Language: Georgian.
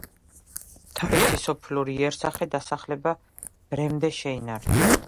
თავისი სოფლური იერსახე დასახლება დრემდე შეინარჩუნა.